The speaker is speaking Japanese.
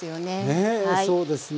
ねえそうですね。